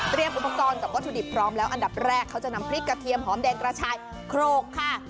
อุปกรณ์กับวัตถุดิบพร้อมแล้วอันดับแรกเขาจะนำพริกกระเทียมหอมแดงกระชายโครกค่ะ